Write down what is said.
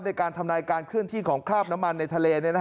ในการทำนายการเคลื่อนที่ของคราบน้ำมันในทะเล